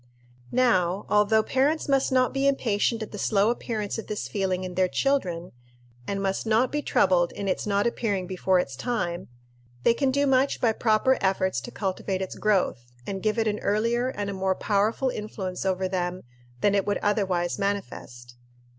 _ Now, although parents must not be impatient at the slow appearance of this feeling in their children, and must not be troubled in its not appearing before its time, they can do much by proper efforts to cultivate its growth, and give it an earlier and a more powerful influence over them than it would otherwise manifest.